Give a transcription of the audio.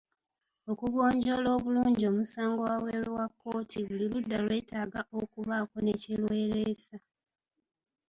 Okugonjoola obulungi omusango wabweru wa kkooti buli ludda lwetaaga okubaako ne kye lweresa.